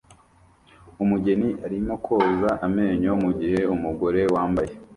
Umugeni arimo koza amenyo mugihe umugore wambaye